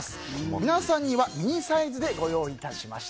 皆さんにはミニサイズでご用意いたしました。